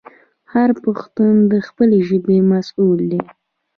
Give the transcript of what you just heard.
هر پښتون د خپلې ژبې مسوول دی.